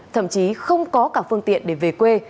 thậm chí không có cả phương tiện để về quê